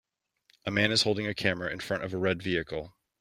A man is holding a camera in front of a red vehicle.